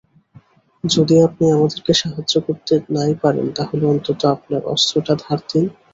যদি আপনি আমাদেরকে সাহায্য করতে নাই পারেন, তাহলে অন্তত আপনার অস্ত্রটা ধার দিন।